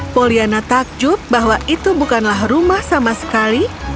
poliana takjub bahwa itu bukanlah rumah sama sekali